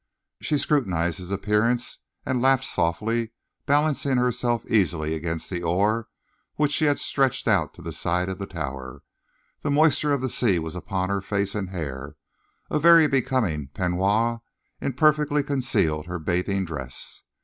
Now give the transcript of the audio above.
She scrutinised his appearance and laughed softly, balancing herself easily against the oar which she had stretched out to the side of the tower. The moisture of the sea was upon her face and hair. A very becoming peignoir imperfectly concealed her bathing dress.